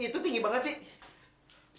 itu tinggi banget sih